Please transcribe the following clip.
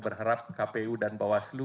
berharap kpu dan bawaslu